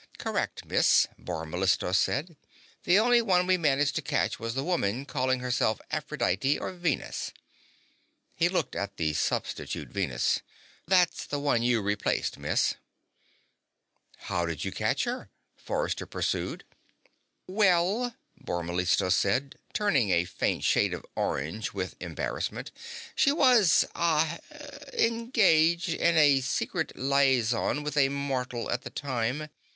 "Correct, miss," Bor Mellistos said. "The only one we managed to catch was the woman calling herself Aphrodite, or Venus." He looked at the substitute Venus. "That's the one you replaced, miss." "How did you catch her?" Forrester pursued. "Well," Bor Mellistos said, turning a faint shade of orange with embarrassment, "she was ah engaged in a secret liaison with a mortal at the time.